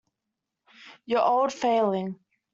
Your old failing.